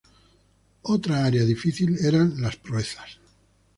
Otra área difícil eran las proezas.